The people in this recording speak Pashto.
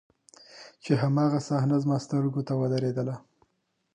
چې هماغه صحنه زما سترګو ته درېدله.